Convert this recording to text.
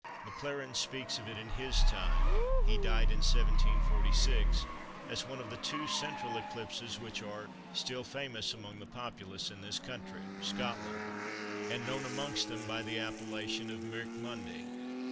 Maclaurin speaks of it in his time (he died in 1746) as one of the two central eclipses which are "still famous among the populace in this country" [Scotland], and "known amongst them by the appellation of Mirk Monday."